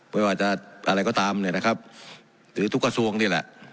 ไม่ว่าจะอะไรก็ตามเนี่ยนะครับหรือทุกกระทรวงนี่แหละ